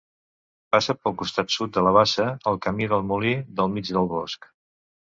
Passa pel costat sud de la bassa el Camí del Molí del Mig del Bosc.